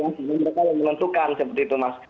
sehingga mereka yang menentukan seperti itu mas